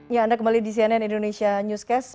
ya anda kembali di cnn indonesia newscast